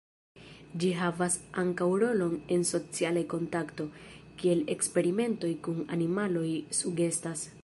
Ĝi havas ankaŭ rolon en socialaj kontakto, kiel eksperimentoj kun animaloj sugestas.